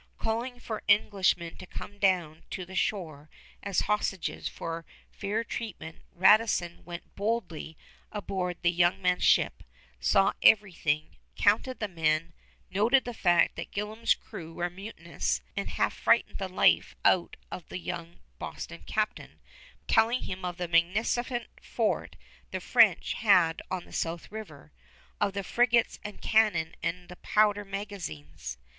Calling for Englishmen to come down to the shore as hostages for fair treatment, Radisson went boldly aboard the young man's ship, saw everything, counted the men, noted the fact that Gillam's crew were mutinous, and half frightened the life out of the young Boston captain by telling him of the magnificent fort the French had on the south river, of the frigates and cannon and the powder magazines.